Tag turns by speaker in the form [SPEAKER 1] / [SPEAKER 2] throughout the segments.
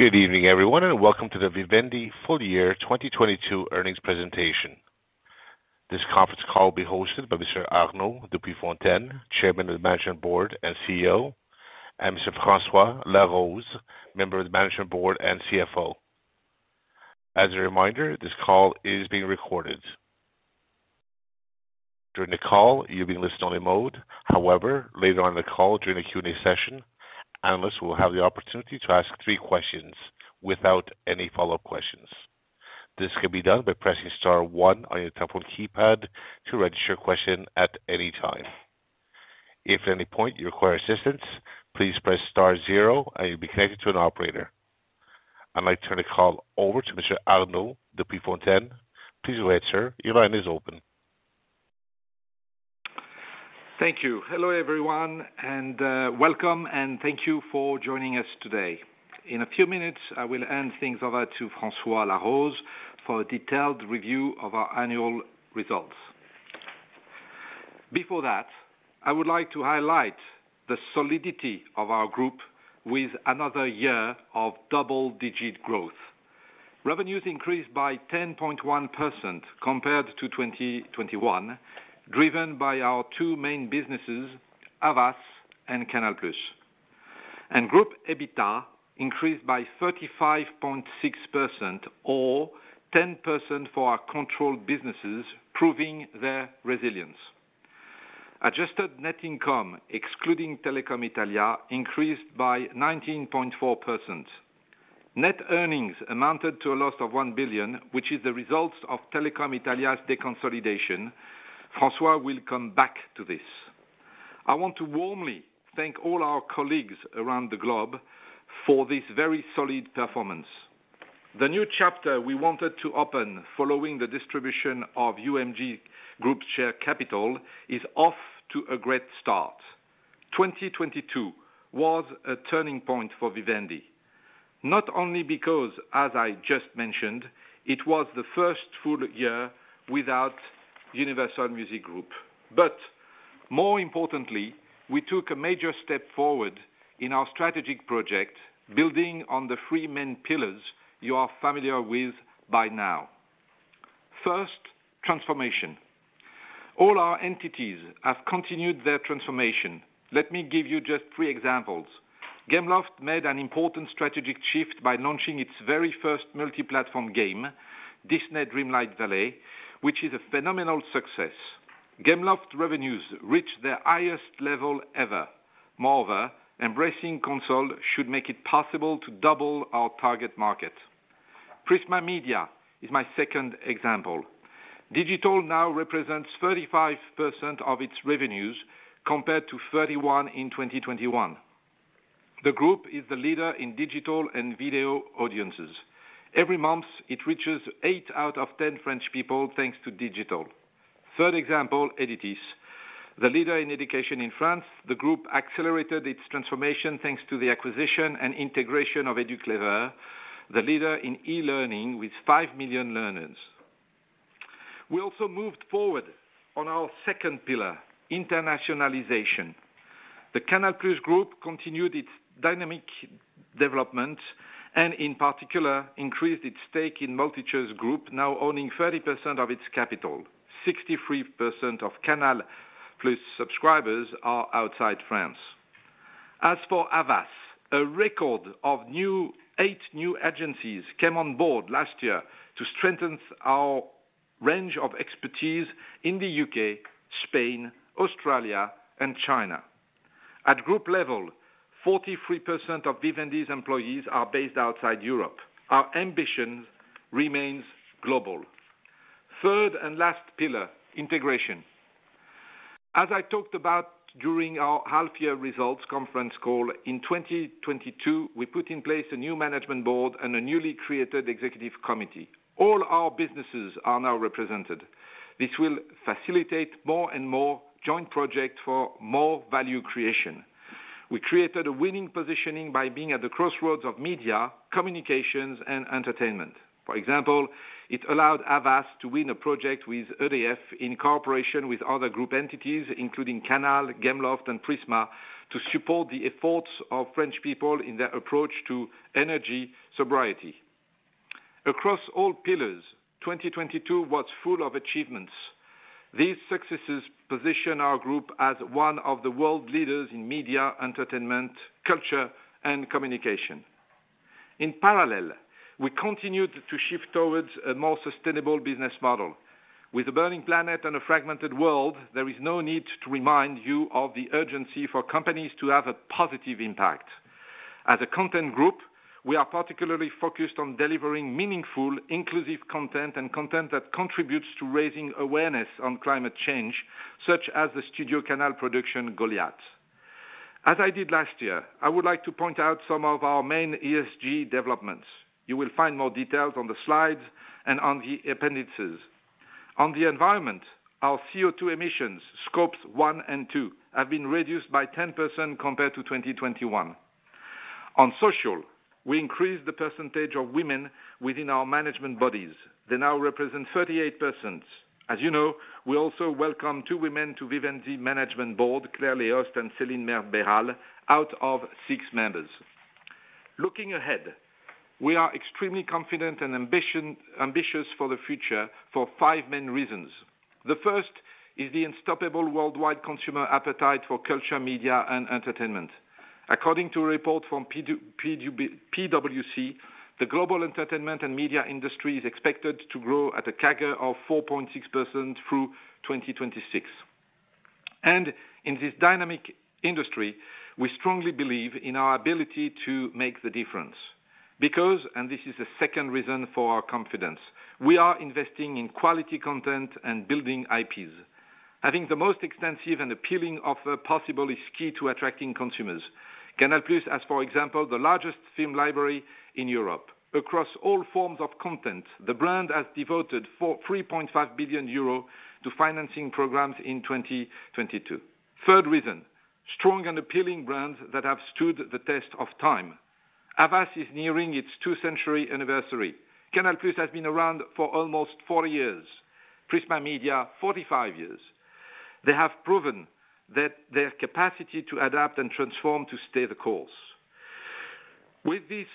[SPEAKER 1] Good evening, everyone, welcome to the Vivendi full year 2022 earnings presentation. This conference call will be hosted by Mr. Arnaud de Puyfontaine, Chairman of the Management Board and CEO, and Mr. François Laroze, Member of the Management Board and CFO. As a reminder, this call is being recorded. During the call, you'll be listening only mode. Later on in the call during the Q&A session, analysts will have the opportunity to ask 3 questions without any follow-up questions. This can be done by pressing star one on your telephone keypad to register your question at any time. If at any point you require assistance, please press star zero, and you'll be connected to an operator. I'd like to turn the call over to Mr. Arnaud de Puyfontaine. Please go ahead, sir. Your line is open.
[SPEAKER 2] Thank you. Hello, everyone, and welcome, and thank you for joining us today. In a few minutes, I will hand things over to François Laroze for a detailed review of our annual results. Before that, I would like to highlight the solidity of our group with another year of double-digit growth. Revenues increased by 10.1% compared to 2021, driven by our 2 main businesses, Havas and Canal+. Group EBITDA increased by 35.6% or 10% for our controlled businesses, proving their resilience. Adjusted net income, excluding Telecom Italia, increased by 19.4%. Net earnings amounted to a loss of 1 billion, which is the results of Telecom Italia's deconsolidation. François will come back to this. I want to warmly thank all our colleagues around the globe for this very solid performance. The new chapter we wanted to open following the distribution of UMG Group's share capital is off to a great start. 2022 was a turning point for Vivendi. Not only because, as I just mentioned, it was the first full year without Universal Music Group, but more importantly, we took a major step forward in our strategic project, building on the 3 main pillars you are familiar with by now. First, transformation. All our entities have continued their transformation. Let me give you just 3 examples. Gameloft made an important strategic shift by launching its very first multi-platform game, Disney Dreamlight Valley, which is a phenomenal success. Gameloft revenues reached their highest level ever. Moreover, embracing console should make it possible to double our target market. Prisma Media is my second example. Digital now represents 35% of its revenues compared to 31 in 2021. The group is the leader in digital and video audiences. Every month, it reaches 8 out of 10 French people, thanks to digital. Third example, Editis. The leader in education in France, the group accelerated its transformation thanks to the acquisition and integration of Educlever, the leader in e-learning with 5 million learners. We also moved forward on our second pillar, internationalization. The Canal+ Group continued its dynamic development and, in particular, increased its stake in MultiChoice Group, now owning 30% of its capital. 63% of Canal+ subscribers are outside France. As for Havas, a record of 8 new agencies came on board last year to strengthen our range of expertise in the U.K., Spain, Australia, and China. At group level, 43% of Vivendi's employees are based outside Europe. Our ambition remains global. Third and last pillar, integration. I talked about during our half-year results conference call, in 2022, we put in place a new management board and a newly created executive committee. All our businesses are now represented. This will facilitate more and more joint projects for more value creation. We created a winning positioning by being at the crossroads of media, communications, and entertainment. For example, it allowed Havas to win a project with EDF in cooperation with other group entities, including Canal, Gameloft, and Prisma, to support the efforts of French people in their approach to energy sobriety. Across all pillars, 2022 was full of achievements. These successes position our group as one of the world leaders in media, entertainment, culture, and communication. In parallel, we continued to shift towards a more sustainable business model. With a burning planet and a fragmented world, there is no need to remind you of the urgency for companies to have a positive impact. As a content group, we are particularly focused on delivering meaningful, inclusive content and content that contributes to raising awareness on climate change, such as the StudioCanal production Goliath. As I did last year, I would like to point out some of our main ESG developments. You will find more details on the slides and on the appendices. On the environment, our CO₂ emissions, Scope 1 and Scope 2, have been reduced by 10% compared to 2021. On social, we increased the percentage of women within our management bodies. They now represent 38%. As you know, we also welcome 2 women to Vivendi Management Board, Claire Léost and Céline Merle-Béral, out of 6 members. Looking ahead, we are extremely confident and ambitious for the future for 5 main reasons. The first is the unstoppable worldwide consumer appetite for culture, media, and entertainment. According to a report from PwC, the global entertainment and media industry is expected to grow at a CAGR of 4.6% through 2026. In this dynamic industry, we strongly believe in our ability to make the difference. Because, and this is the second reason for our confidence, we are investing in quality content and building IPs. Having the most extensive and appealing offer possible is key to attracting consumers. Canal+ has, for example, the largest film library in Europe. Across all forms of content, the brand has devoted 3.5 billion euro to financing programs in 2022. Third reason, strong and appealing brands that have stood the test of time. Havas is nearing its 2 century anniversary. Canal+ has been around for almost 40 years. Prisma Media, 45 years. They have proven that their capacity to adapt and transform to stay the course. With this,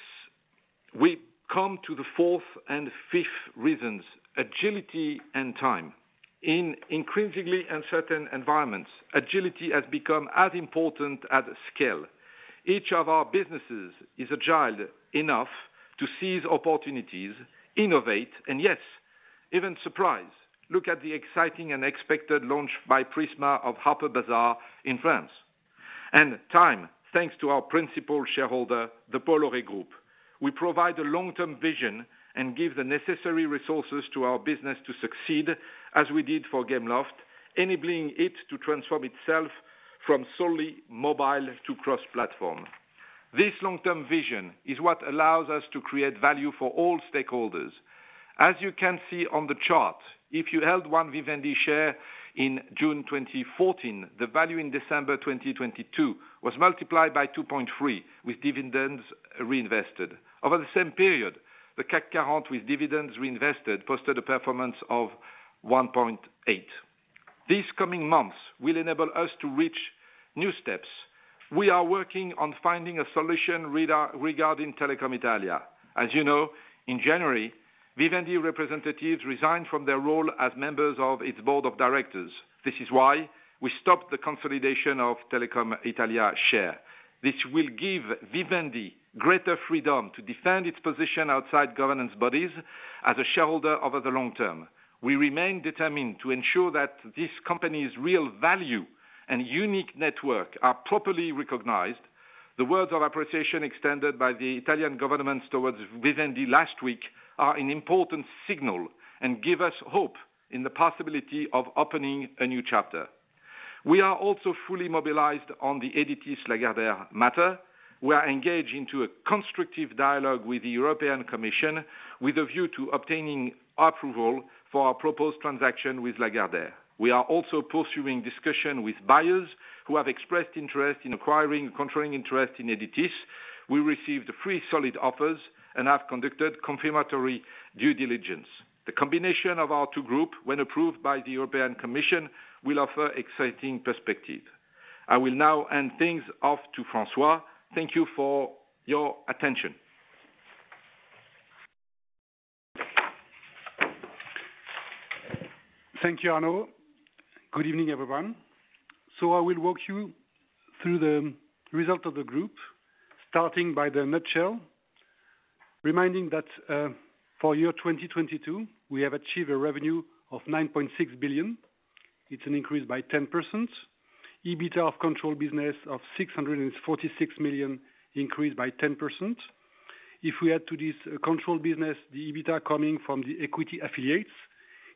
[SPEAKER 2] we come to the 4th and 5th reasons, agility and time. In increasingly uncertain environments, agility has become as important as scale. Each of our businesses is agile enough to seize opportunities, innovate, and yes, even surprise. Look at the exciting and expected launch by Prisma of Harper's Bazaar in France. Time, thanks to our principal shareholder, the Bolloré Group. We provide a long-term vision and give the necessary resources to our business to succeed as we did for Gameloft, enabling it to transform itself from solely mobile to cross-platform. This long-term vision is what allows us to create value for all stakeholders. As you can see on the chart, if you held 1 Vivendi share in June 2014, the value in December 2022 was multiplied by 2.3 with dividends reinvested. Over the same period, the CAC with dividends reinvested posted a performance of 1.8. These coming months will enable us to reach new steps. We are working on finding a solution regarding Telecom Italia. As you know, in January, Vivendi representatives resigned from their role as members of its board of directors. This is why we stopped the consolidation of Telecom Italia share. This will give Vivendi greater freedom to defend its position outside governance bodies as a shareholder over the long term. We remain determined to ensure that this company's real value and unique network are properly recognized. The words of appreciation extended by the Italian government towards Vivendi last week are an important signal and give us hope in the possibility of opening a new chapter. We are also fully mobilized on the Editis Lagardère matter. We are engaged into a constructive dialogue with the European Commission with a view to obtaining approval for our proposed transaction with Lagardère. We are also pursuing discussion with buyers who have expressed interest in acquiring controlling interest in Editis. We received 3 solid offers and have conducted confirmatory due diligence. The combination of our 2 group, when approved by the European Commission, will offer exciting perspective. I will now hand things off to François. Thank you for your attention.
[SPEAKER 3] Thank you, Arnaud. Good evening, everyone. I will walk you through the result of the group, starting by the nutshell. Reminding that, for year 2022, we have achieved a revenue of 9.6 billion. It's an increase by 10%. EBITA of controlled business of 646 million increased by 10%. If we add to this controlled business, the EBITA coming from the equity affiliates,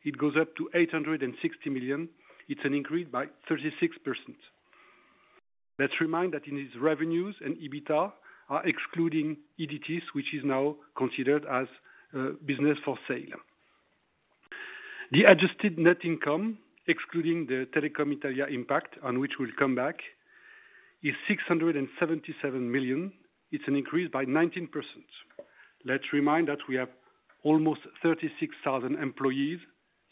[SPEAKER 3] it goes up to 860 million. It's an increase by 36%. Let's remind that in these revenues and EBITA are excluding Editis, which is now considered as business for sale. The adjusted net income, excluding the Telecom Italia impact on which we'll come back, is 677 million. It's an increase by 19%. Let's remind that we have almost 36,000 employees,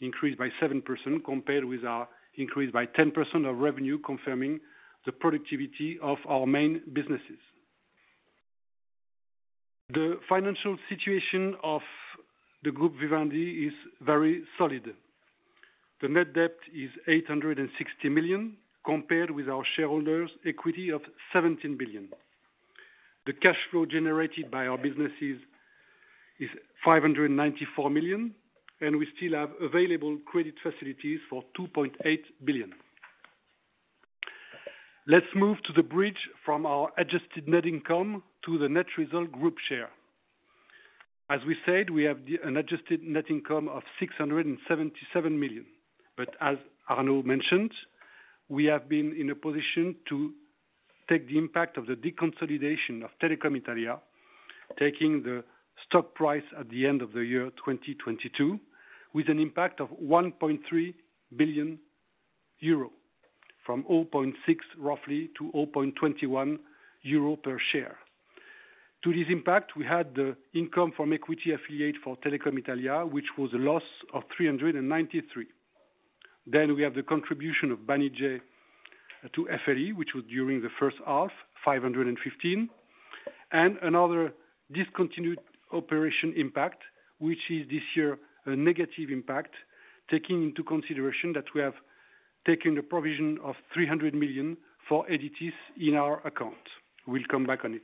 [SPEAKER 3] increased by 7% compared with our increase by 10% of revenue confirming the productivity of our main businesses. The financial situation of the group Vivendi is very solid. The net debt is 860 million compared with our shareholders equity of 17 billion. The cash flow generated by our businesses is 594 million, and we still have available credit facilities for 2.8 billion. Let's move to the bridge from our adjusted net income to the net result group share. As we said, we have an adjusted net income of 677 million. As Arnaud mentioned, we have been in a position to take the impact of the deconsolidation of Telecom Italia, taking the stock price at the end of 2022 with an impact of 1.3 billion euro from 0.6, roughly, to 0.21 euro per share. To this impact, we had the income from equity affiliate for Telecom Italia, which was a loss of 393. We have the contribution of Banijay to FRE, which was during the H1, 515. Another discontinued operation impact, which is this year a negative impact, taking into consideration that we have taken the provision of 300 million for entities in our account. We'll come back on it.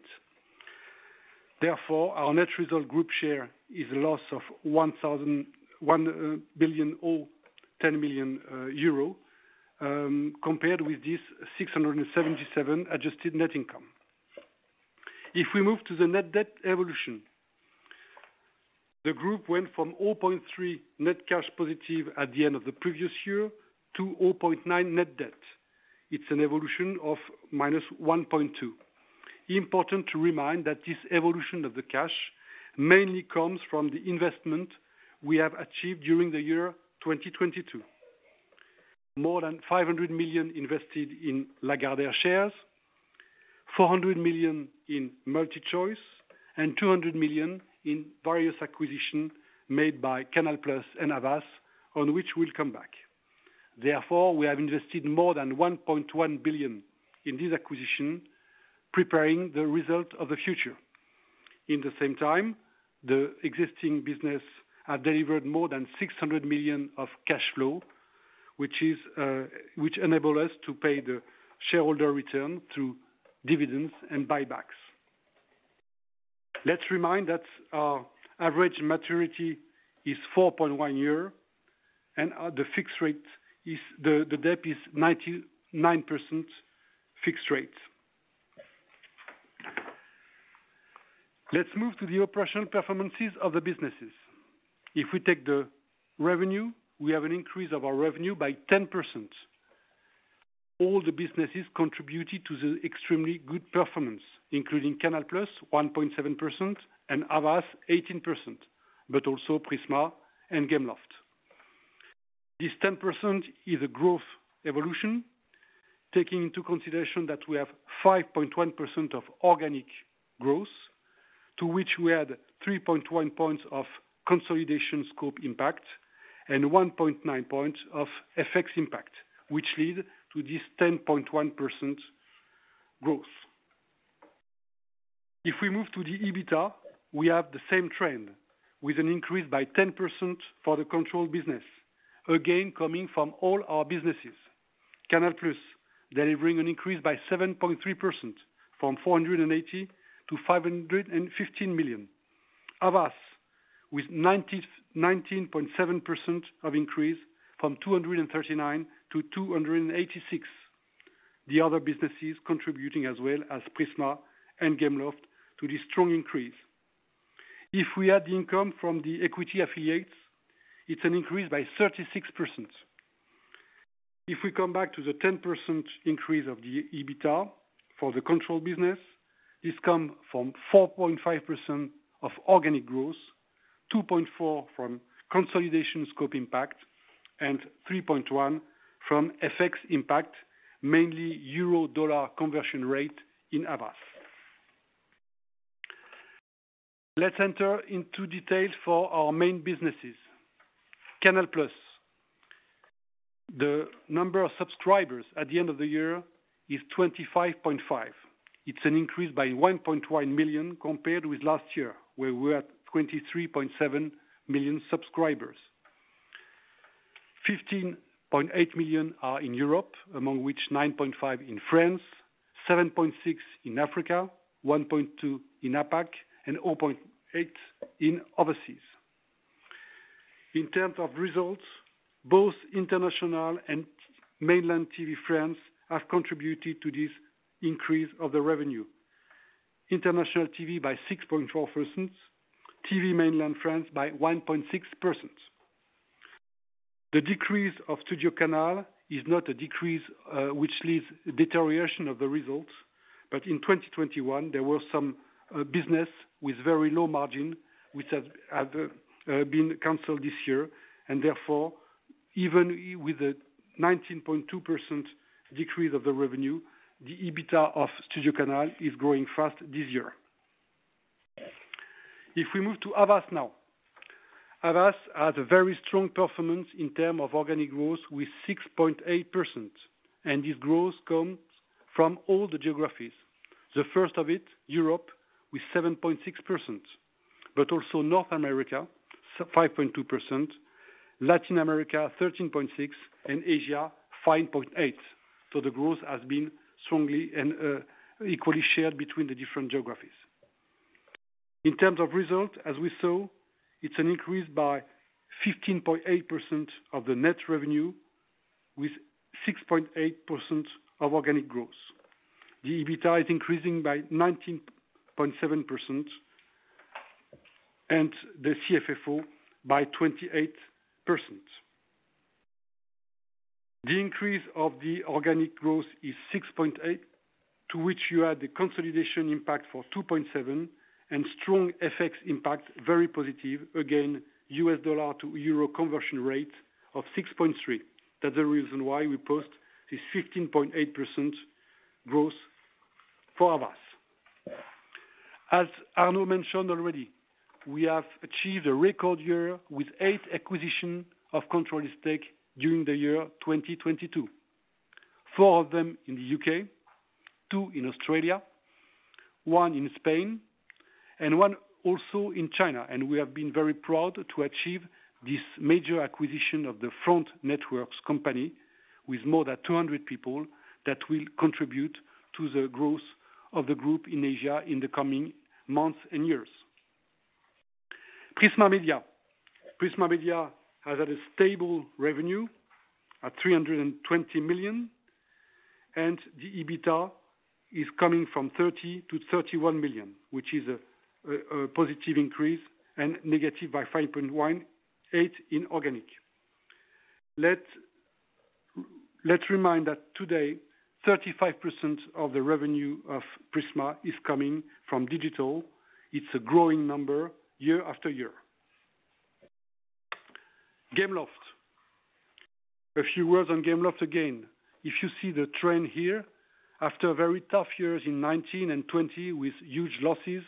[SPEAKER 3] Our net result group share is a loss of 1 billion or 10 million euro compared with this 677 adjusted net income. If we move to the net debt evolution, the group went from 0.3 net cash positive at the end of the previous year to 0.9 net debt. It's an evolution of -1.2. Important to remind that this evolution of the cash mainly comes from the investment we have achieved during the year 2022. More than 500 million invested in Lagardère shares, 400 million in MultiChoice, and 200 million in various acquisitions made by Canal+ and Havas, on which we'll come back. We have invested more than 1.1 billion in this acquisition, preparing the result of the future. In the same time, the existing business have delivered more than 600 million of cash flow, which is, which enable us to pay the shareholder return through dividends and buybacks. Let's remind that our average maturity is 4.1 years, and the fixed rate the debt is 99% fixed rate. Let's move to the operational performances of the businesses. If we take the revenue, we have an increase of our revenue by 10%. All the businesses contributed to the extremely good performance, including Canal+, 1.7%, and Havas 18%, but also Prisma and Gameloft. This 10% is a growth evolution, taking into consideration that we have 5.1% of organic growth, to which we had 3.1 points of consolidation scope impact and 1.9 points of FX impact, which lead to this 10.1% growth. If we move to the EBITDA, we have the same trend with an increase by 10% for the controlled business, again, coming from all our businesses. Canal+ delivering an increase by 7.3% from 480 million to 515 million. Havas with 19.7% of increase from 239 million to 286 million. The other businesses contributing as well as Prisma and Gameloft to this strong increase. If we add the income from the equity affiliates, it's an increase by 36%. If we come back to the 10% increase of the EBITDA for the controlled business, this come from 4.5% of organic growth, 2.4% from consolidation scope impact, and 3.1% from FX impact, mainly Euro-Dollar conversion rate in Havas. Let's enter into details for our main businesses. Canal+, the number of subscribers at the end of the year is 25.5 million. It's an increase by 1.1 million compared with last year, where we were at 23.7 million subscribers. 15.8 million are in Europe, among which 9.5 million in France, 7.6 million in Africa, 1.2 million in APAC, and 0.8 million in overseas. In terms of results, both international and mainland TV France have contributed to this increase of the revenue. International TV by 6.4%, TV mainland France by 1.6%. The decrease of StudioCanal is not a decrease, which leaves deterioration of the results. In 2021, there was some business with very low margin which has been canceled this year and therefore, even with a 19.2% decrease of the revenue, the EBITDA of StudioCanal is growing fast this year. If we move to Havas now. Havas has a very strong performance in terms of organic growth with 6.8%. This growth comes from all the geographies. The first of it, Europe with 7.6%, North America, 5.2%, Latin America, 13.6%, Asia, 5.8%. The growth has been strongly and equally shared between the different geographies. In terms of result, as we saw, it's an increase by 15.8% of the net revenue with 6.8% of organic growth. The EBITDA is increasing by 19.7% and the CFFO by 28%. The increase of the organic growth is 6.8, to which you add the consolidation impact for 2.7 and strong FX impact, very positive. Again, U.S. dollar to euro conversion rate of 6.3. That's the reason why we post this 15.8% growth for Havas. As Arno mentioned already, we have achieved a record year with 8 acquisition of controlling stake during the year 2022. 4 of them in the U.K., 2 in Australia, 1 in Spain, and 1 also in China. We have been very proud to achieve this major acquisition of the Front Networks company with more than 200 people that will contribute to the growth of the group in Asia in the coming months and years. Prisma Media. Prisma Media has had a stable revenue at 320 million, and the EBITDA is coming from 30 million to 31 million, which is a positive increase and negative by 5.18% in organic. Let's remind that today 35% of the revenue of Prisma is coming from digital. It's a growing number year after year. Gameloft. A few words on Gameloft again, if you see the trend here, after very tough years in 2019 and 2020 with huge losses,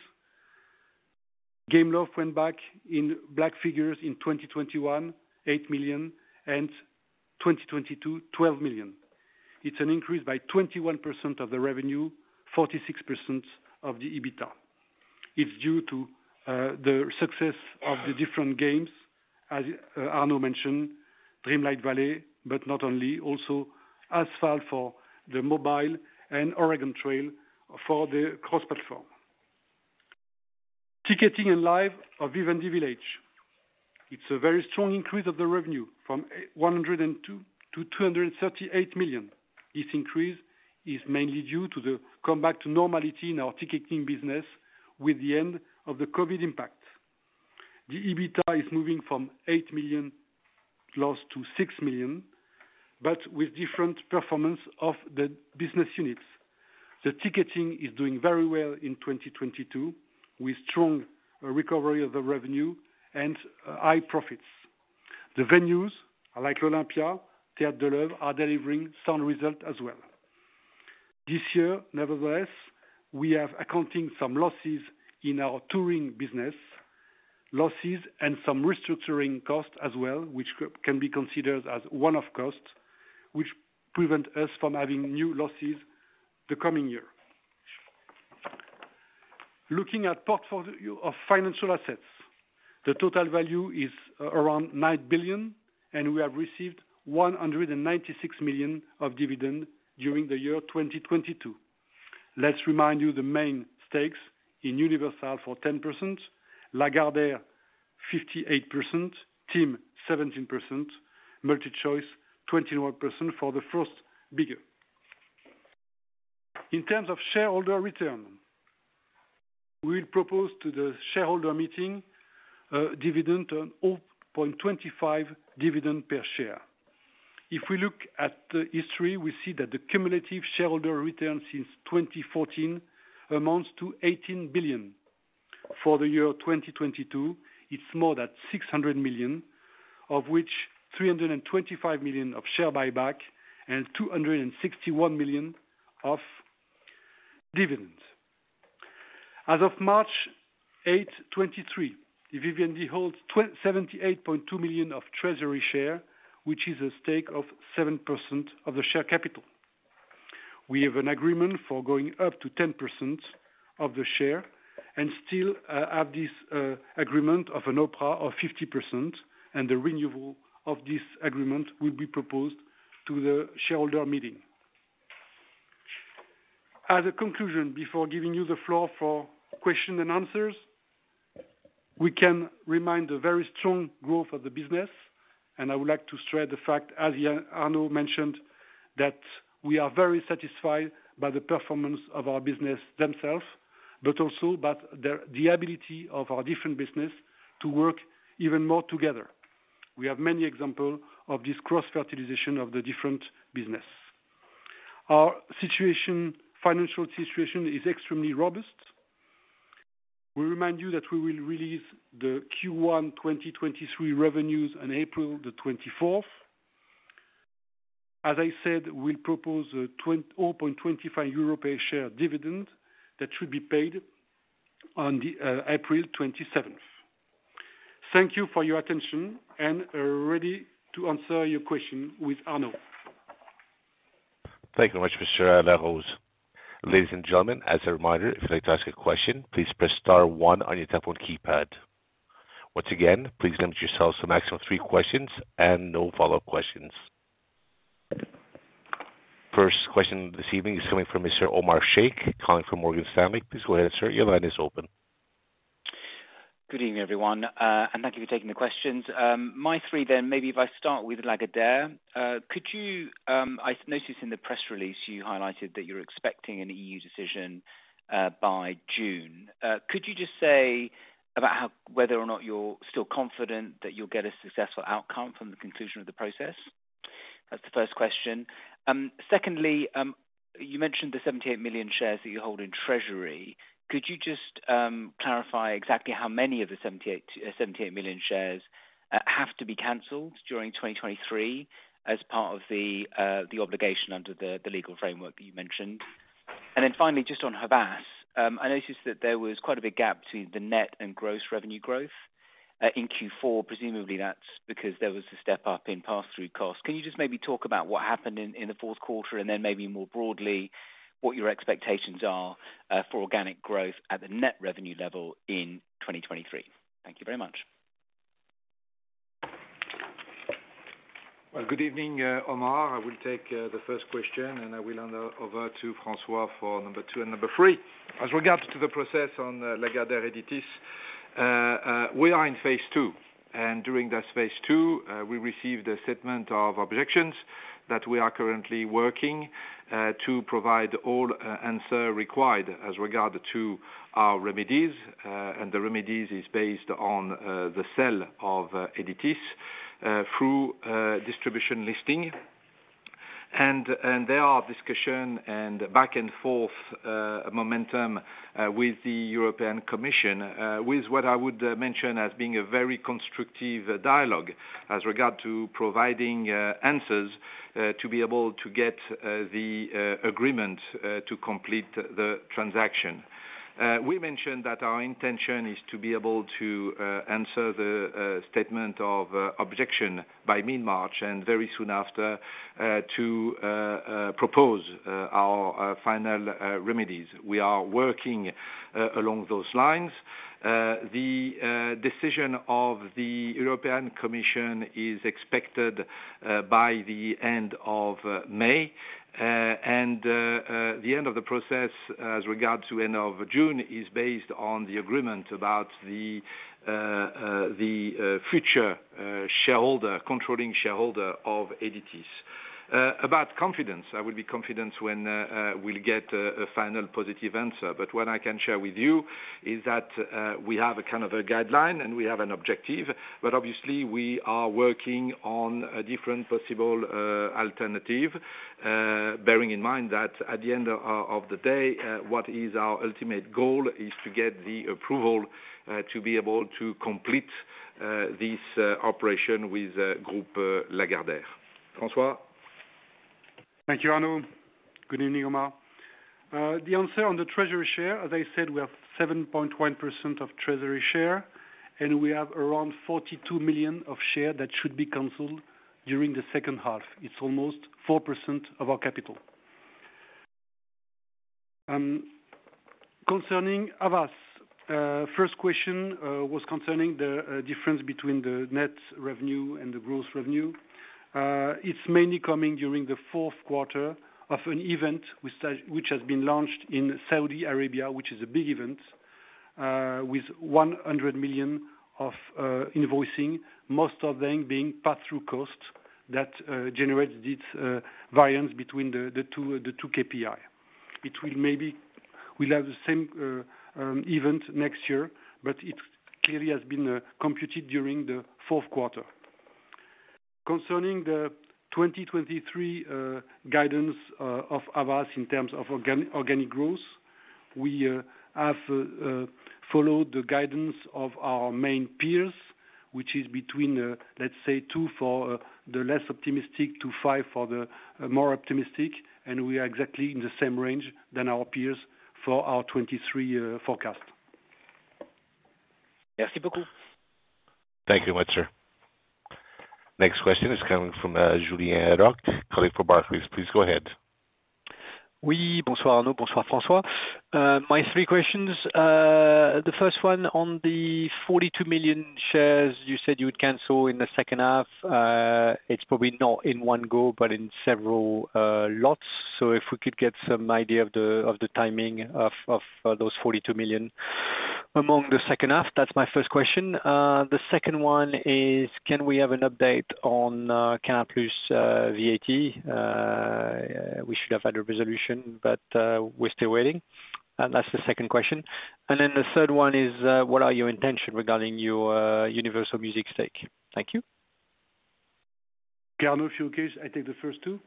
[SPEAKER 3] Gameloft went back in black figures in 2021, 8 million and 2022, 12 million. It's an increase by 21% of the revenue, 46% of the EBITDA. It's due to the success of the different games, as Arno mentioned Dreamlight Valley, but not only also Asphalt for the mobile and Oregon Trail for the cross-platform. Ticketing and live of Vivendi Village. It's a very strong increase of the revenue from 102 million to 238 million. This increase is mainly due to the comeback to normality in our ticketing business with the end of the COVID impact. The EBITDA is moving from 8 million loss to 6 million, but with different performance of the business units. The ticketing is doing very well in 2022, with strong recovery of the revenue and high profits. The venues like l'Olympia, Théâtre de l'Œuvre are delivering sound result as well. This year nevertheless, we have accounting some losses in our touring business. Losses and some restructuring costs as well, which can be considered as one-off costs, which prevent us from having new losses the coming year. Looking at portfolio of financial assets, the total value is around 9 billion, and we have received 196 million of dividend during the year 2022. Let's remind you the main stakes in Universal for 10%, Lagardère 58%, TIM 17%, MultiChoice 21% for the first bigger. In terms of shareholder return, we'll propose to the shareholder meeting, dividend 0.25 dividend per share. If we look at the history, we see that the cumulative shareholder returns since 2014 amounts to 18 billion. For the year 2022, it's more than 600 million, of which 325 million of share buyback and 261 million of dividends. As of March 8, 2023, Vivendi holds 78.2 million of treasury share, which is a stake of 7% of the share capital. We have an agreement for going up to 10% of the share and still have this agreement of an opera of 50%, and the renewal of this agreement will be proposed to the shareholder meeting. As a conclusion before giving you the floor for Q&As, we can remind the very strong growth of the business, and I would like to stress the fact, as Arnaud mentioned, that we are very satisfied by the performance of our business themselves. Also by the ability of our different businesses to work even more together. We have many examples of this cross-fertilization of the different businesses. Our financial situation is extremely robust. We remind you that we will release the Q1 2023 revenues on April 24th. As I said, we'll propose a 0.25 euro per share dividend that should be paid on April 27th. Thank you for your attention and ready to answer your question with Arno.
[SPEAKER 1] Thank you very much, Mr. Arnaud. Ladies and gentlemen, as a reminder, if you'd like to ask a question, please press star one on your telephone keypad. Once again, please limit yourselves to a maximum of 3 questions and no follow-up questions. First question this evening is coming from Mr. Omar Sheikh, calling from Morgan Stanley. Please go ahead, sir. Your line is open.
[SPEAKER 4] Good evening, everyone, thank you for taking the questions. My 3 maybe if I start with Lagardère. Could you, I noticed in the press release you highlighted that you're expecting an EU decision by June. Could you just say about whether or not you're still confident that you'll get a successful outcome from the conclusion of the process? That's the first question. Secondly, you mentioned the 78 million shares that you hold in treasury. Could you just clarify exactly how many of the 78 million shares have to be canceled during 2023 as part of the obligation under the legal framework that you mentioned? Finally, just on Havas, I noticed that there was quite a big gap between the net and gross revenue growth. In Q4, presumably that's because there was a step up in pass-through costs. Can you just maybe talk about what happened in the Q4, and then maybe more broadly, what your expectations are for organic growth at the net revenue level in 2023? Thank you very much.
[SPEAKER 2] Well, good evening, Omar. I will take the first question, and I will hand over to François for number 2 and number 3. As regards to the process on Lagardère Editis, we are in phase 2, and during this phase 2, we received a statement of objections that we are currently working to provide all answer required as regard to our remedies. The remedies is based on the sale of Editis through distribution listing. There are discussion and back and forth momentum with the European Commission with what I would mention as being a very constructive dialogue as regard to providing answers to be able to get the agreement to complete the transaction. our intention is to be able to answer the statement of objection by mid-March, and very soon after, to propose our final remedies. We are working along those lines. The decision of the European Commission is expected by the end of May. And the end of the process as regards to end of June is based on the agreement about the future shareholder, controlling shareholder of Editis. About confidence. I will be confident when we will get a final positive answer. But what I can share with you is that we have a kind of a guideline, and we have an objective, but obviously we are working on a different possible alternative. Bearing in mind that at the end of the day, what is our ultimate goal is to get the approval, to be able to complete this operation with Groupe Lagardère. François.
[SPEAKER 3] Thank you, Arnaud. Good evening, Omar. The answer on the treasury share, as I said, we have 7.1% of treasury share. We have around 42 million of share that should be canceled during the H2. It's almost 4% of our capital. Concerning Havas, first question was concerning the difference between the net revenue and the gross revenue. It's mainly coming during the Q4 of an event which has been launched in Saudi Arabia, which is a big event, with 100 million of invoicing, most of them being pass-through costs that generates its variance between the 2 KPI. It will maybe will have the same event next year, but it clearly has been computed during the Q4. Concerning the 2023 guidance of Havas in terms of organic growth, we have followed the guidance of our main peers, which is between let's say 2 for the less optimistic to 5 for the more optimistic, and we are exactly in the same range than our peers for our 2023 forecast.
[SPEAKER 2] Thank you much, sir. Next question is coming from, Julien Roch, colleague from Barclays. Please go ahead.
[SPEAKER 5] My 3 questions. The first one on the 42 million shares you said you would cancel in the H2. It's probably not in one go, but in several lots. If we could get some idea of the timing of those 42 million among the H2. That's my first question. The second one is, can we have an update on Canal+, VAT? We should have had a resolution, but we're still waiting. That's the second question. The third one is, what are your intention regarding your Universal Music stake? Thank you.
[SPEAKER 3] Okay, I take the first 2.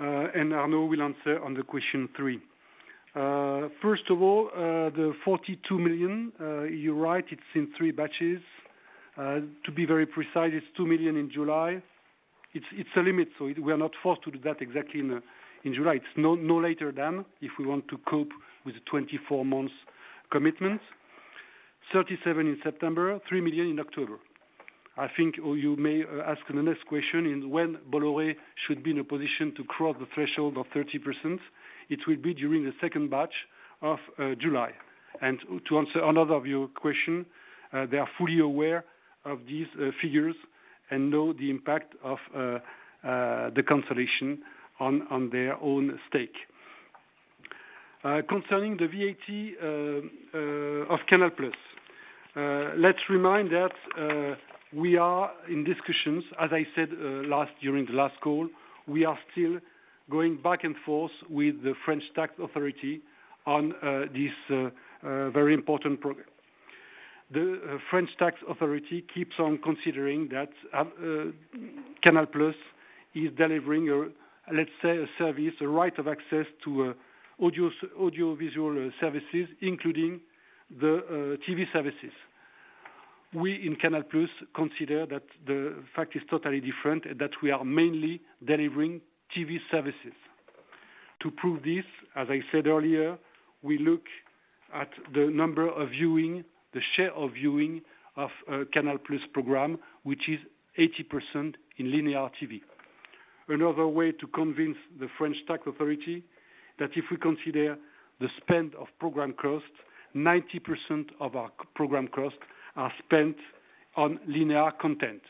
[SPEAKER 3] Arnaud will answer on the question 3. First of all, the 42 million, you are right, it is in 3 batches. To be very precise, it is 2 million in July. It is a limit, so we are not forced to do that exactly in July. It is no later than if we want to cope with the 24 months commitment. 37 million in September, 3 million in October. I think you may ask the next question is when Bolloré should be in a position to cross the threshold of 30%. It will be during the second batch of July. To answer another of your question, they are fully aware of these figures and know the impact of the cancellation on their own stake Concerning the VAT of Canal+. Let's remind that we are in discussions, as I said last during the last call. We are still going back and forth with the French tax authority on this very important program. The French tax authority keeps on considering that Canal+ is delivering, let's say, a service, a right of access to audiovisual services, including the TV services. We in Canal+ consider that the fact is totally different, that we are mainly delivering TV services. To prove this, as I said earlier, we look at the number of viewing, the share of viewing of Canal+ program, which is 80% in linear TV. Another way to convince the French tax authority that if we consider the spend of program costs, 90% of our c-program costs are spent on linear content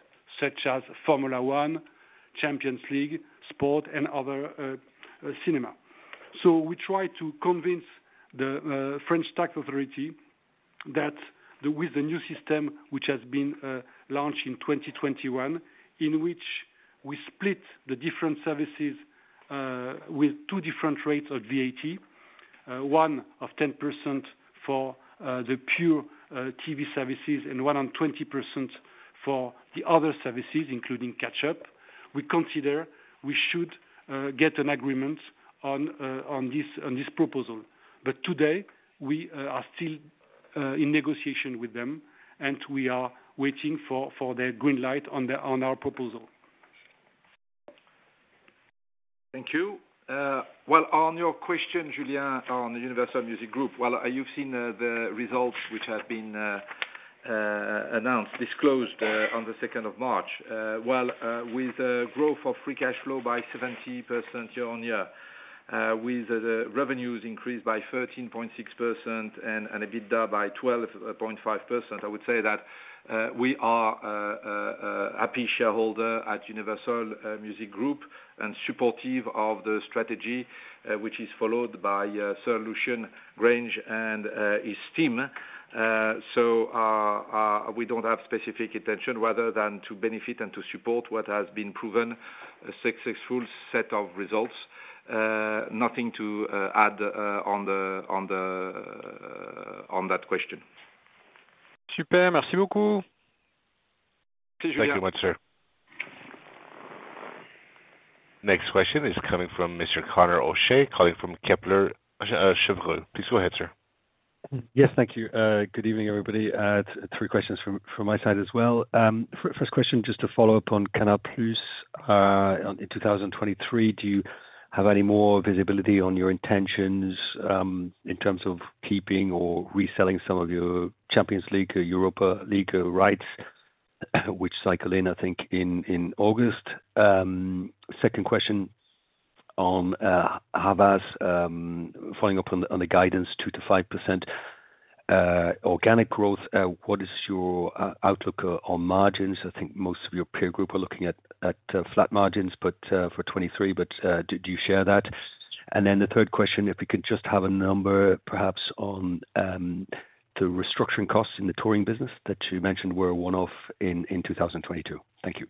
[SPEAKER 3] such as Formula One, Champions League, sport and other cinema. We try to convince the French tax authority that with the new system, which has been launched in 2021, in which we split the different services, with 2 different rates of VAT. One of 10% for the pure TV services and one on 20% for the other services, including catch-up. We consider we should get an agreement on this proposal. Today, we are still in negotiation with them, and we are waiting for their green light on our proposal.
[SPEAKER 2] Thank you. Well, on your question, Julien Roch, on the Universal Music Group. Well, you've seen the results which have been disclosed on the 2nd of March, with the growth of free cash flow by 70% year-on-year, with the revenues increased by 13.6% and EBITDA by 12.5%. I would say that we are a happy shareholder at Universal Music Group and supportive of the strategy which is followed by Sir Lucian Grainge and his team. So, we don't have specific intention rather than to benefit and to support what has been proven a successful set of results. Nothing to add on that question.
[SPEAKER 5] Super. Merci beaucoup.
[SPEAKER 2] Thank you much, sir.
[SPEAKER 1] Next question is coming from Mr. Conor O'Shea, calling from Kepler Cheuvreux. Please go ahead, sir.
[SPEAKER 6] Yes, thank you. Good evening, everybody. 3 questions from my side as well. First question, just to follow up on Canal+, in 2023, do you have any more visibility on your intentions, in terms of keeping or reselling some of your Champions League or Europa League rights, which cycle in, I think, in August? Second question on Havas, following up on the guidance 2%-5% organic growth. What is your outlook on margins? I think most of your peer group are looking at flat margins, for 23, do you share that? The 3rd question, if we could just have a number perhaps on the restructuring costs in the touring business that you mentioned were a one-off in 2022. Thank you.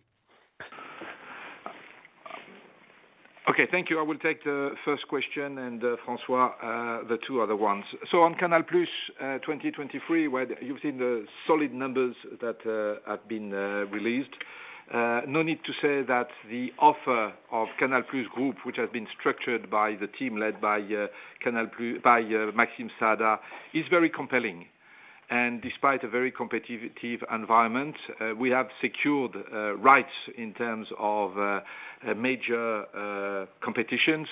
[SPEAKER 2] Okay. Thank you. I will take the first question and François the 2 other ones. On Canal+, 2023, well, you've seen the solid numbers that have been released. No need to say that the offer of Canal+ Group, which has been structured by the team led by Canal+ by Maxime Saada, is very compelling. Despite a very competitive environment, we have secured rights in terms of major competitions.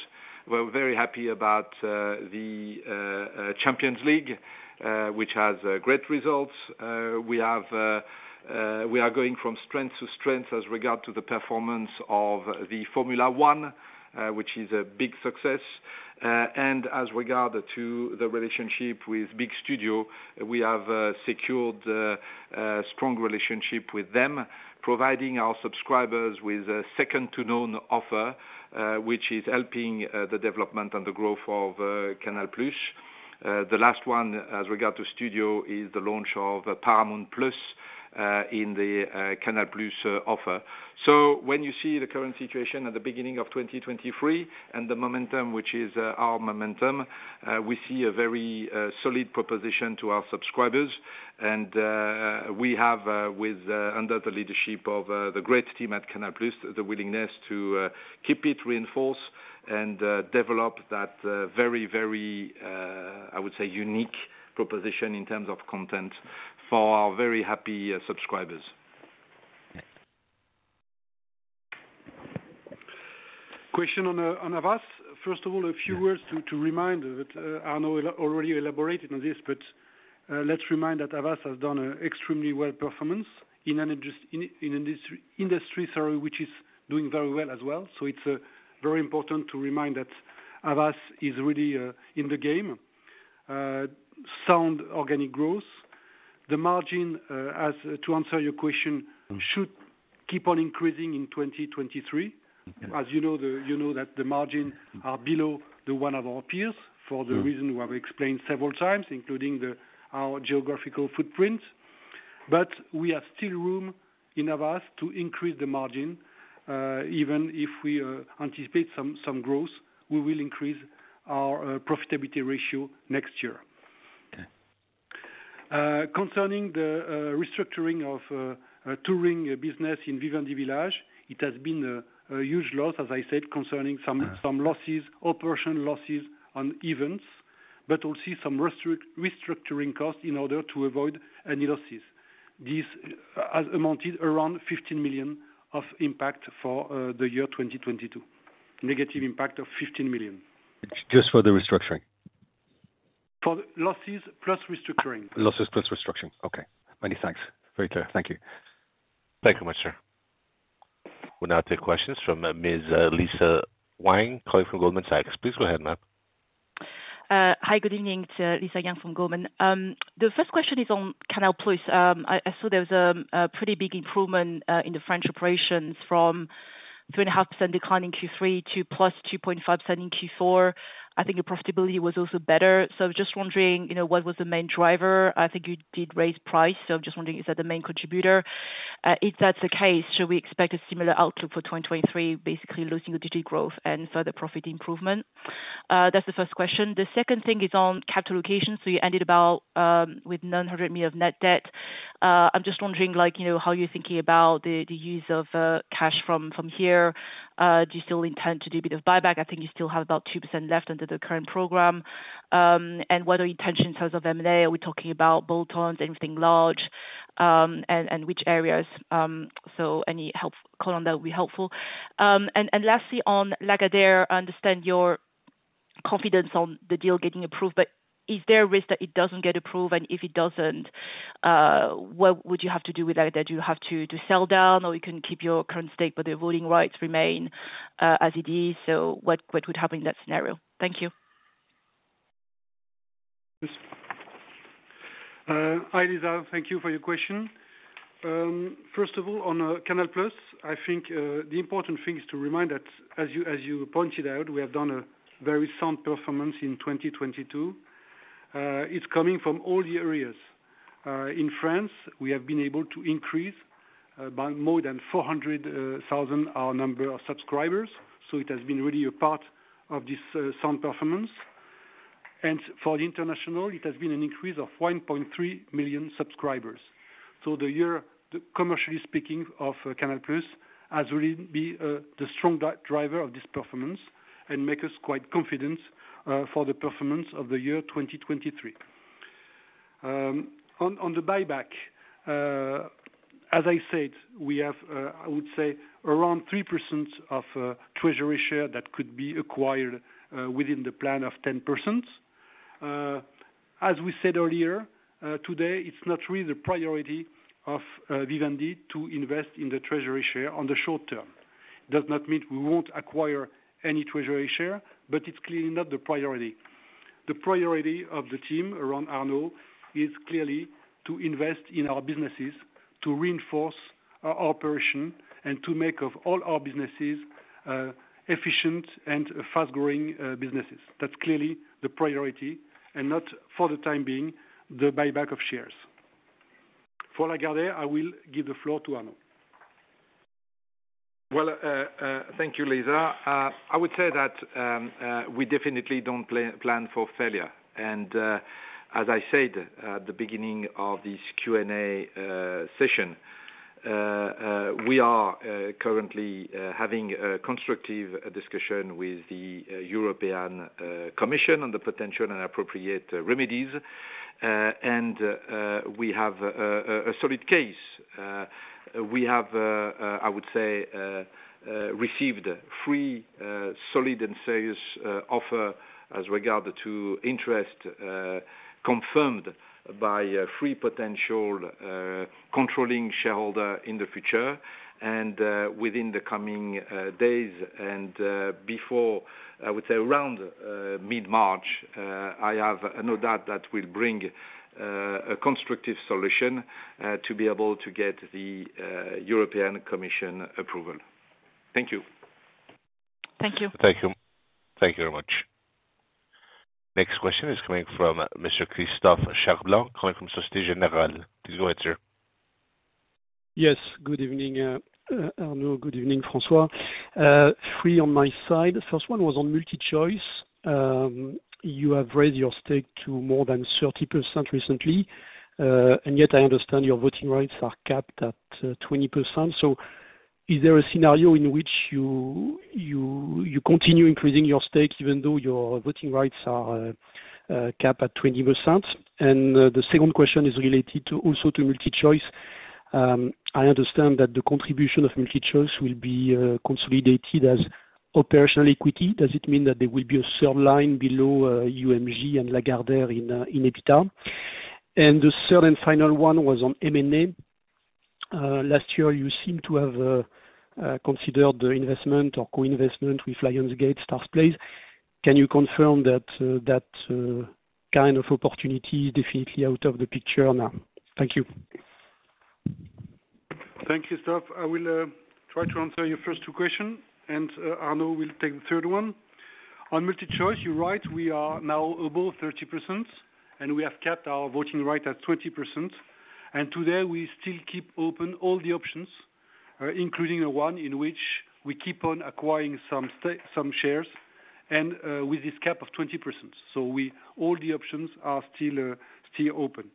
[SPEAKER 2] We're very happy about the UEFA Champions League, which has great results. We have, we are going from strength to strength as regard to the performance of the Formula One, which is a big success. As regard to the relationship with big studio, we have secured a strong relationship with them, providing our subscribers with a second-to-none offer, which is helping the development and the growth of Canal+. The last one as regard to studio is the launch of Paramount+ in the Canal+ offer. When you see the current situation at the beginning of 2023 and the momentum, which is our momentum, we see a very solid proposition to our subscribers. We have with under the leadership of the great team at Canal+, the willingness to keep it reinforced and develop that very I would say unique proposition in terms of content for our very happy subscribers.
[SPEAKER 3] Question on Havas. First of all, a few words to remind that Arno already elaborated on this. Let's remind that Havas has done a extremely well performance in an industry, sorry, which is doing very well as well. It's very important to remind that Havas is really in the game. Sound organic growth. The margin, as to answer your question, should keep on increasing in 2023.
[SPEAKER 6] Okay.
[SPEAKER 3] As you know that the margin are below the one of our peers for the reason we have explained several times, including the, our geographical footprint. We have still room in Havas to increase the margin. Even if we anticipate some growth, we will increase our profitability ratio next year.
[SPEAKER 6] Okay.
[SPEAKER 3] Concerning the restructuring of touring business in Vivendi Village, it has been a huge loss, as I said, concerning.
[SPEAKER 6] Uh.
[SPEAKER 3] Some losses, operation losses on events. We'll see some restructuring costs in order to avoid any losses. This has amounted around 15 million of impact for the year 2022. Negative impact of 15 million.
[SPEAKER 6] Just for the restructuring.
[SPEAKER 3] For losses plus restructuring.
[SPEAKER 6] Losses plus restructuring. Okay. Many thanks. Very clear. Thank you.
[SPEAKER 1] Thank you much, sir. We'll now take questions from Ms. Lisa Yang calling from Goldman Sachs. Please go ahead, ma'am.
[SPEAKER 7] Hi, good evening to Lisa Yang from Goldman Sachs. The first question is on Canal+. I saw there was a pretty big improvement in the French operations from 3.5% decline in Q3 to +2.5% in Q4. I think the profitability was also better. Just wondering, you know, what was the main driver? I think you did raise price, so just wondering, is that the main contributor? If that's the case, should we expect a similar outlook for 2023, basically low single digit growth and further profit improvement? That's the first question. The second thing is on capital allocation. You ended about with 900 million of net debt. I'm just wondering, like, you know, how you're thinking about the use of cash from here. Do you still intend to do a bit of buyback? I think you still have about 2% left under the current program. What are your intentions in terms of M&A? Are we talking about bolt-ons, anything large? Which areas? Any help, color on that would be helpful. Lastly on Lagardère, I understand your confidence on the deal getting approved, but is there a risk that it doesn't get approved? If it doesn't, what would you have to do with that? Do you have to sell down, or you can keep your current stake, but the voting rights remain as it is? What would happen in that scenario? Thank you.
[SPEAKER 3] Hi Lisa, thank you for your question. First of all, on Canal+, I think the important thing is to remind that as you pointed out, we have done a very sound performance in 2022. It's coming from all the areas. In France, we have been able to increase by more than 400,000, our number of subscribers. It has been really a part of this sound performance. For the international, it has been an increase of 1.3 million subscribers. The year, commercially speaking of Canal+ has really been the strong driver of this performance and make us quite confident for the performance of the year 2023. On the buyback, as I said, we have, I would say around 3% of treasury share that could be acquired within the plan of 10%. As we said earlier, today it's not really the priority of Vivendi to invest in the treasury share on the short term. It does not mean we won't acquire any treasury share, but it's clearly not the priority. The priority of the team around Arnaud is clearly to invest in our businesses, to reinforce our operation and to make of all our businesses, efficient and fast-growing businesses. That's clearly the priority and not for the time being the buyback of shares. For Lagardère, I will give the floor to Arnaud.
[SPEAKER 2] Well, thank you, Lisa. I would say that we definitely don't plan for failure. As I said at the beginning of this Q&A session, we are currently having a constructive discussion with the European Commission on the potential and appropriate remedies. We have a solid case. We have, I would say, received 3 solid and serious offer as regard to interest, confirmed by a 3 potential controlling shareholder in the future. Within the coming days and before, I would say around mid-March, I have no doubt that will bring a constructive solution to be able to get the European Commission approval. Thank you.
[SPEAKER 7] Thank you.
[SPEAKER 1] Thank you. Thank you very much. Next question is coming from Mr. Christophe Cherblanc calling from Société Générale. Please go ahead, sir.
[SPEAKER 8] Yes. Good evening, Arnaud. Good evening, François. 3 on my side. First one was on MultiChoice. You have raised your stake to more than 30% recently, and yet I understand your voting rights are capped at 20%. Is there a scenario in which you continue increasing your stake even though your voting rights are capped at 20%? The second question is related to, also to MultiChoice. I understand that the contribution of MultiChoice will be consolidated as operational equity. Does it mean that there will be a third line below UMG and Lagardère in EBITDA? The third and final one was on M&A. Last year, you seemed to have considered the investment or co-investment with Lionsgate, Starz Play. Can you confirm that kind of opportunity definitely out of the picture now? Thank you.
[SPEAKER 3] Thank you, Christophe. I will try to answer your first 2 question, and Arnaud will take the third one. On MultiChoice, you're right, we are now above 30%, and we have capped our voting right at 20%. Today, we still keep open all the options, including the one in which we keep on acquiring some shares and with this cap of 20%. All the options are still open.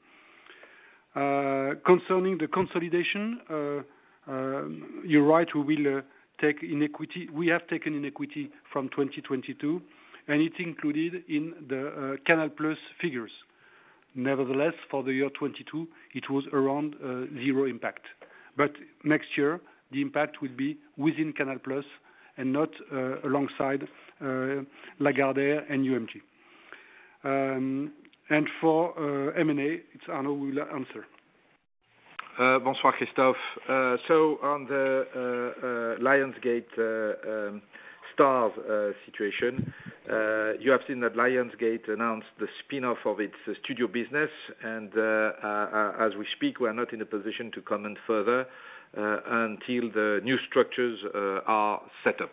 [SPEAKER 3] You're right, we will take in equity. We have taken in equity from 2022, and it's included in the Canal+ figures. Nevertheless, for the year 2022 it was around 0 impact. Next year the impact will be within Canal+ and not alongside Lagardère and UMG. For M&A, it's Arnaud will answer.
[SPEAKER 2] bonsoir, Christophe. On the Lionsgate Starz situation, you have seen that Lionsgate announced the spin-off of its studio business and as we speak, we're not in a position to comment further until the new structures are set up.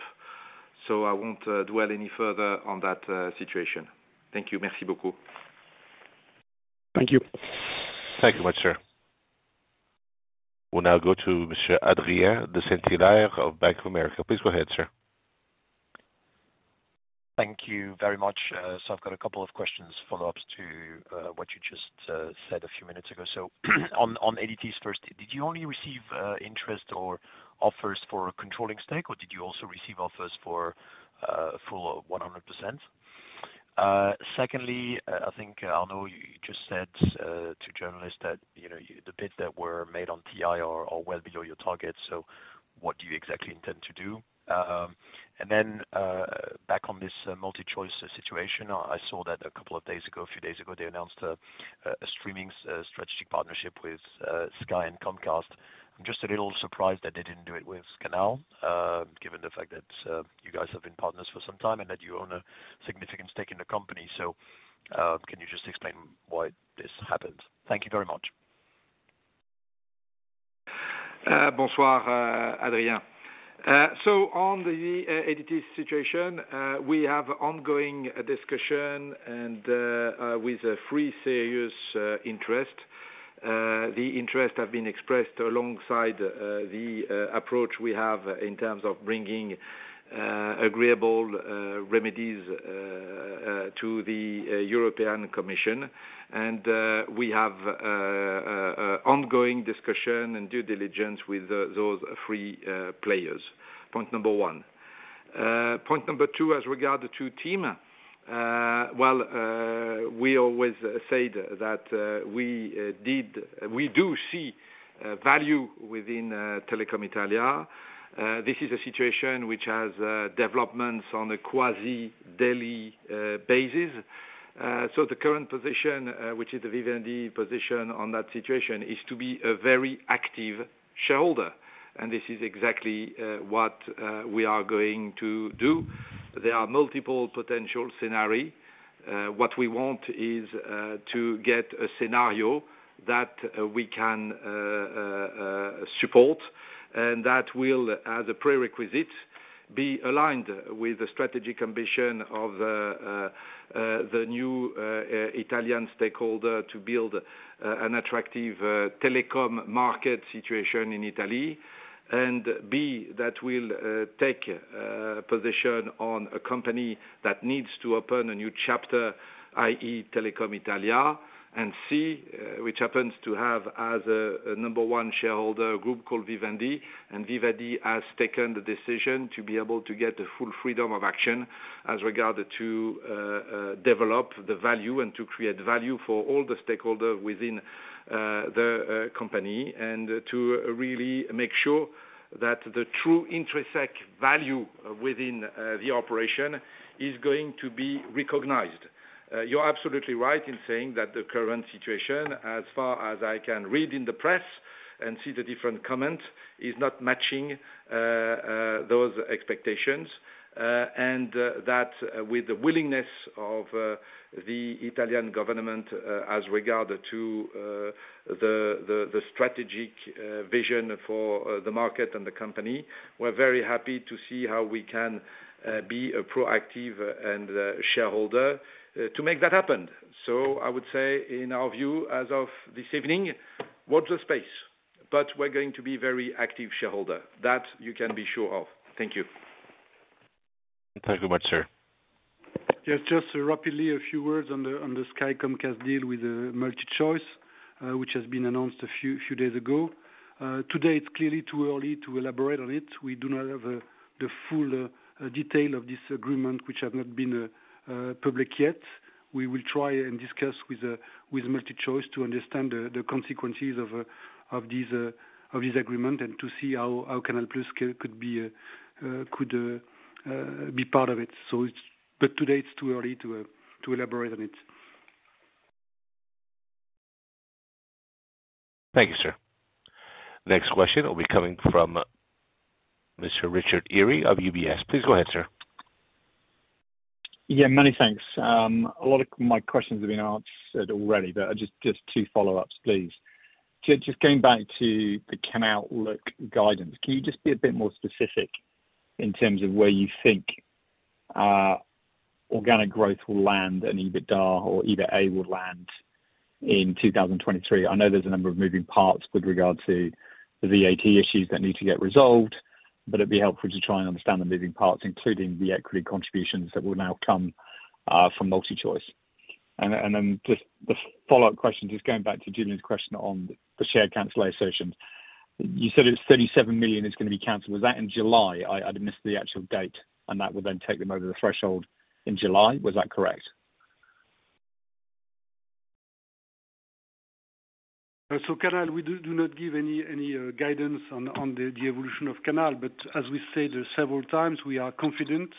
[SPEAKER 2] I won't dwell any further on that situation. Thank you. Merci beaucoup.
[SPEAKER 8] Thank you.
[SPEAKER 1] Thank you much, sir. We'll now go to Monsieur Adrien de Saint-Hilaire of Bank of America. Please go ahead, sir.
[SPEAKER 9] Thank you very much. I've got a couple of questions, follow-ups to what you just said a few minutes ago. On, on ADT's first, did you only receive interest or offers for a controlling stake, or did you also receive offers for full 100%? Secondly, I think, Arnaud, you just said to journalists that, you know, the bids that were made on TI are well below your target, what do you exactly intend to do? And then, back on this MultiChoice situation. I saw that a couple of days ago, a few days ago, they announced a streaming strategic partnership with Sky and Comcast. I'm just a little surprised that they didn't do it with Canal, given the fact that, you guys have been partners for some time and that you own a significant stake in the company. Can you just explain why this happened? Thank you very much.
[SPEAKER 2] Bonsoir, Adrien. On the ADT situation, we have ongoing discussion and with a 3 serious interest. The interest have been expressed alongside the approach we have in terms of bringing agreeable remedies to the European Commission. We have ongoing discussion and due diligence with those 3 players. Point number one. Point number 2, as regard to TIM. Well, we always said that we do see value within Telecom Italia. This is a situation which has developments on a quasi-daily basis. The current position, which is the Vivendi position on that situation, is to be a very active shareholder, and this is exactly what we are going to do. potential scenarios. What we want is to get a scenario that we can support and that will, as a prerequisite, be aligned with the strategic ambition of the new Italian stakeholder to build an attractive telecom market situation in Italy. B, that will take position on a company that needs to open a new chapter, i.e., Telecom Italia. C, which happens to have as a number one shareholder, a group called Vivendi, and Vivendi has taken the decision to be able to get the full freedom of action as regard to develop the value and to create value for all the stakeholder within the company. And to really make sure that the true intersect value within the operation is going to be recognized. You're absolutely right in saying that the current situation, as far as I can read in the press and see the different comments, is not matching those expectations. That with the willingness of the Italian government, as regard to the, the strategic vision for the market and the company, we're very happy to see how we can be a proactive and shareholder to make that happen. I would say in our view, as of this evening, watch this space, but we're going to be very active shareholder. That you can be sure of. Thank you.
[SPEAKER 1] Thank you very much, sir.
[SPEAKER 3] Yeah, just rapidly, a few words on the Sky Comcast deal with MultiChoice, which has been announced a few days ago. Today it's clearly too early to elaborate on it. We do not have the full detail of this agreement, which have not been public yet. We will try and discuss with MultiChoice to understand the consequences of this agreement and to see how Canal+ could be part of it. But today it's too early to elaborate on it.
[SPEAKER 1] Thank you, sir. Next question will be coming from Mr. Richard Eary of UBS. Please go ahead, sir.
[SPEAKER 10] Yeah, many thanks. A lot of my questions have been answered already, but just 2 follow-ups, please. Just going back to the Canal+ guidance. Can you just be a bit more specific in terms of where you think organic growth will land and EBITDA or EBITDA will land in 2023? I know there's a number of moving parts with regard to the VAT issues that need to get resolved, but it'd be helpful to try and understand the moving parts, including the equity contributions that will now come from MultiChoice. Then just the follow-up question, just going back to Julien's question on the share cancellation. You said it's 37 million is gonna be canceled. Was that in July? I missed the actual date, and that would then take them over the threshold in July. Was that correct?
[SPEAKER 3] Canal, we do not give any guidance on the evolution of Canal. As we said several times, we are confident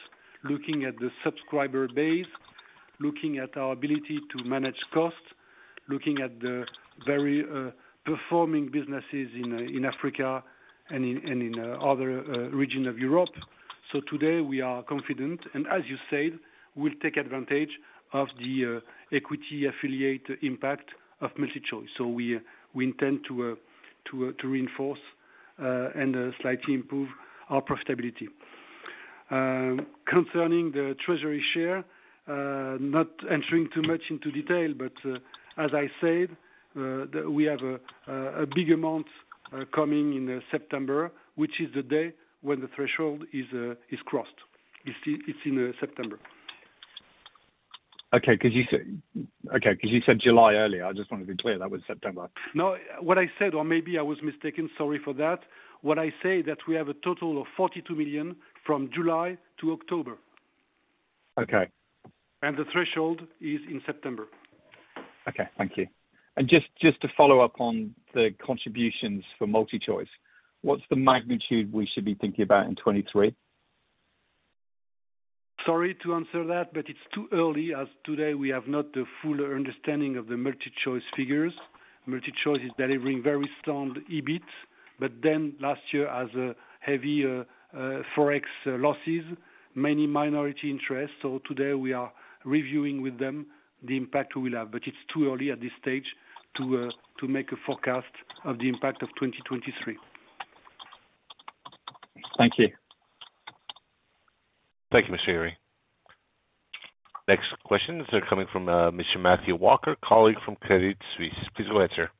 [SPEAKER 3] looking at the subscriber base, looking at our ability to manage costs, looking at the very performing businesses in Africa and in other region of Europe. Today, we are confident. As you said, we'll take advantage of the equity affiliate impact of MultiChoice. We intend to reinforce and slightly improve our profitability. Concerning the treasury share, not entering too much into detail, but as I said, we have a big amount coming in September, which is the day when the threshold is crossed. It's in September.
[SPEAKER 10] Okay. 'Cause you said July earlier. I just wanted to be clear that was September.
[SPEAKER 3] No, what I said or maybe I was mistaken, sorry for that. What I say that we have a total of 42 million from July to October.
[SPEAKER 10] Okay.
[SPEAKER 3] The threshold is in September.
[SPEAKER 10] Okay. Thank you. Just to follow up on the contributions for MultiChoice, what's the magnitude we should be thinking about in 2023?
[SPEAKER 3] Sorry to answer that, but it's too early, as today we have not the full understanding of the MultiChoice figures. MultiChoice is delivering very strong EBIT. Last year as heavy Forex losses, many minority interests. Today we are reviewing with them the impact we'll have. It's too early at this stage to make a forecast of the impact of 2023.
[SPEAKER 10] Thank you.
[SPEAKER 1] Thank you, Mr. Eary. Next question is coming from Mr. Matthew Walker, colleague from Credit Suisse. Please go ahead, sir.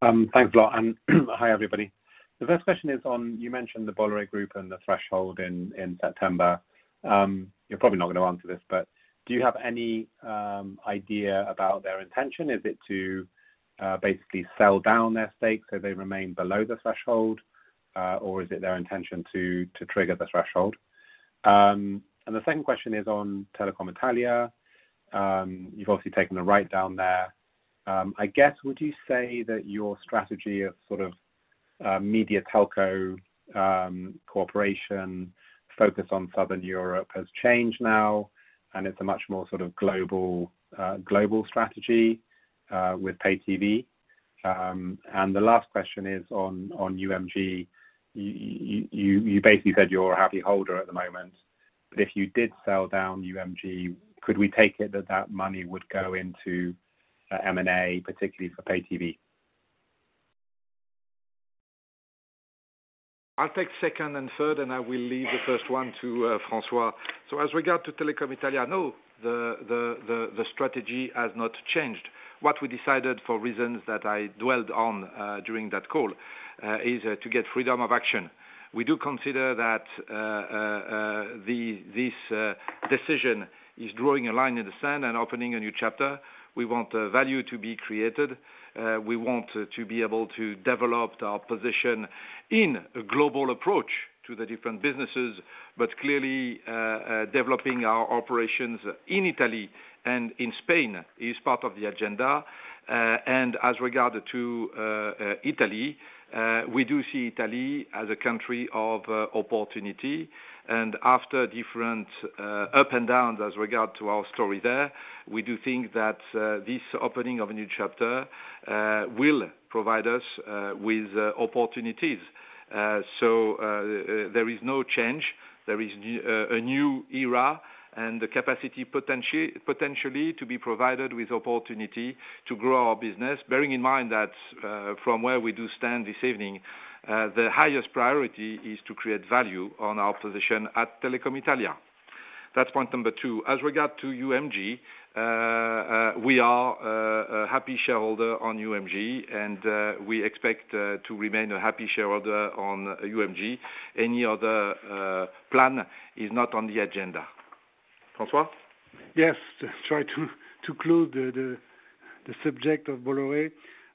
[SPEAKER 11] Thanks a lot. Hi, everybody. The first question is on, you mentioned the Bolloré Group and the threshold in September. You're probably not gonna answer this, do you have any idea about their intention? Is it to basically sell down their stake so they remain below the threshold, or is it their intention to trigger the threshold? The second question is on Telecom Italia. You've obviously taken the write down there. I guess, would you say that your strategy of sort of media telco corporation focus on Southern Europe has changed now, it's a much more sort of global global strategy with pay TV? The last question is on UMG. You basically said you're a happy holder at the moment, but if you did sell down UMG, could we take it that that money would go into M&A, particularly for pay TV?
[SPEAKER 2] I'll take second and third, and I will leave the first one to François. As regard to Telecom Italia, no, the strategy has not changed. What we decided, for reasons that I dwelled on during that call is to get freedom of action. We do consider that the this decision is drawing a line in the sand and opening a new chapter. We want value to be created. We want to be able to develop our position in a global approach to the different businesses, but clearly developing our operations in Italy and in Spain is part of the agenda. As regard to Italy, we do see Italy as a country of opportunity. After different up and downs as regard to our story there, we do think that this opening of a new chapter will provide us with opportunities. There is no change. There is a new era and the capacity potentially to be provided with opportunity to grow our business. Bearing in mind that from where we do stand this evening, the highest priority is to create value on our position at Telecom Italia. That's point number 2. As regard to UMG, we are a happy shareholder on UMG, and we expect to remain a happy shareholder on UMG. Any other plan is not on the agenda. François.
[SPEAKER 3] Yes. Try to close the subject of Bolloré.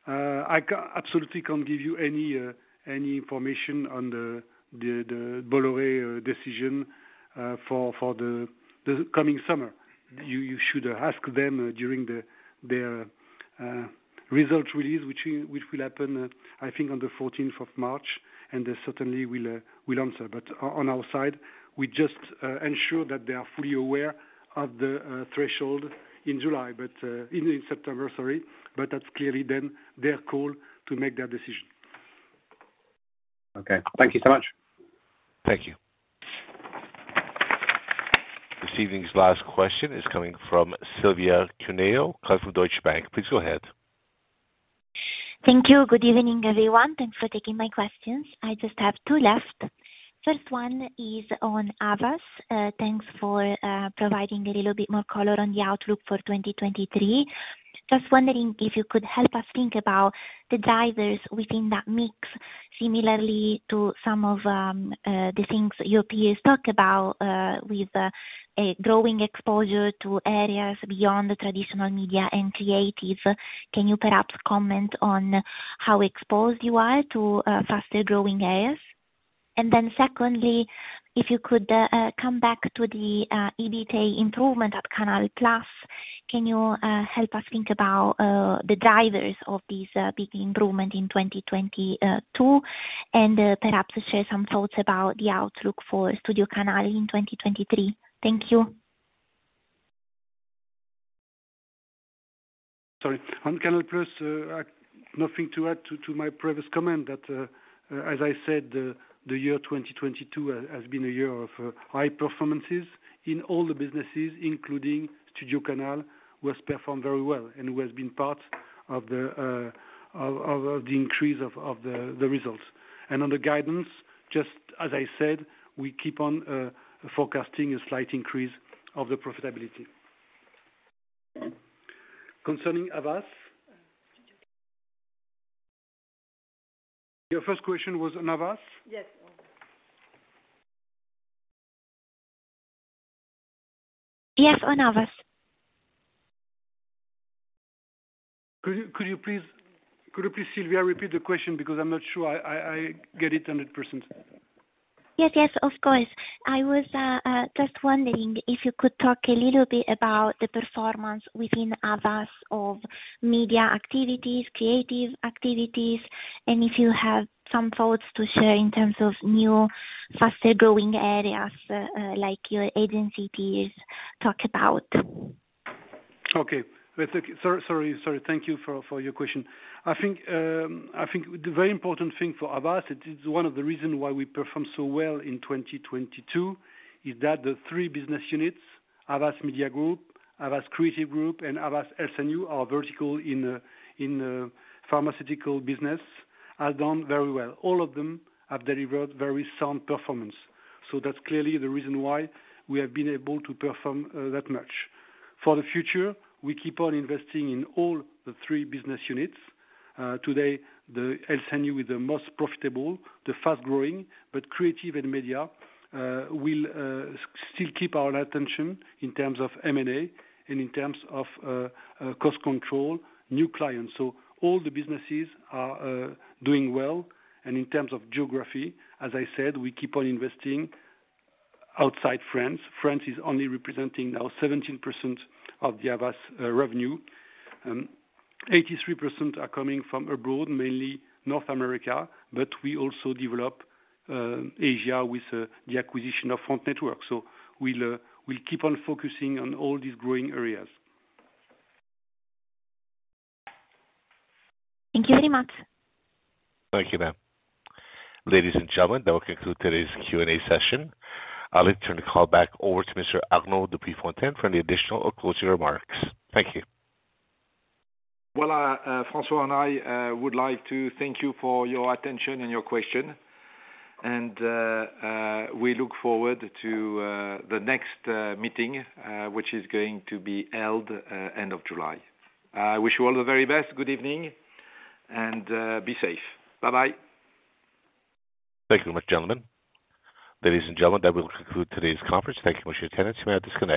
[SPEAKER 3] I absolutely can't give you any information on the Bolloré decision for the coming summer. You should ask them during their results release, which will happen I think on the 14th of March, and they certainly will answer. On our side, we just ensure that they are fully aware of the threshold in July. In September, sorry. That's clearly then their call to make that decision.
[SPEAKER 11] Okay. Thank you so much.
[SPEAKER 1] Thank you. This evening's last question is coming from Silvia Cuneo, for Deutsche Bank. Please go ahead.
[SPEAKER 12] Thank you. Good evening, everyone. Thanks for taking my questions. I just have 2 left. First one is on Havas. Thanks for providing a little bit more color on the outlook for 2023. Just wondering if you could help us think about the drivers within that mix. Similarly to some of the things your peers talk about, with a growing exposure to areas beyond the traditional media and creative. Can you perhaps comment on how exposed you are to faster-growing areas? Secondly, if you could come back to the EBITDA improvement at Canal+, can you help us think about the drivers of this big improvement in 2022 and perhaps share some thoughts about the outlook for StudioCanal in 2023? Thank you.
[SPEAKER 3] Sorry. On Canal+, nothing to add to my previous comment that, as I said, the year 2022 has been a year of high performances in all the businesses, including StudioCanal, who has performed very well and who has been part of the increase of the results. On the guidance, just as I said, we keep on forecasting a slight increase of the profitability. Concerning Havas. Your first question was on Havas?
[SPEAKER 12] Yes. Yes, on Havas.
[SPEAKER 3] Could you please, Silvia, repeat the question because I'm not sure I get it 100%.
[SPEAKER 12] Yes, of course. I was just wondering if you could talk a little bit about the performance within Havas of media activities, creative activities, and if you have some thoughts to share in terms of new, faster-growing areas, like your agency peers talk about.
[SPEAKER 3] Okay. That's okay. Sorry, sorry. Thank you for your question. I think, I think the very important thing for Havas, it is one of the reason why we performed so well in 2022, is that the 3 business units, Havas Media Group, Havas Creative Group, and Havas Health & You, our vertical in pharmaceutical business, have done very well. All of them have delivered very sound performance. That's clearly the reason why we have been able to perform that much. For the future, we keep on investing in all the 3 business units. Today, the Health & You is the most profitable, the fast-growing, but creative and media will still keep our attention in terms of M&A and in terms of cost control, new clients. All the businesses are doing well. In terms of geography, as I said, we keep on investing outside France. France is only representing now 17% of the Havas revenue. 83% are coming from abroad, mainly North America, but we also develop Asia with the acquisition of Front Network. We'll keep on focusing on all these growing areas.
[SPEAKER 12] Thank you very much.
[SPEAKER 1] Thank you, ma'am. Ladies and gentlemen, that will conclude today's Q&A session. I'll return the call back over to Mr. Arnaud de Puyfontaine for any additional or closing remarks. Thank you.
[SPEAKER 3] Well, François and I would like to thank you for your attention and your question. We look forward to the next meeting which is going to be held end of July. I wish you all the very best. Good evening, and be safe. Bye-bye.
[SPEAKER 1] Thank you very much, gentlemen. Ladies and gentlemen, that will conclude today's conference. Thank you for your attendance. You may disconnect your-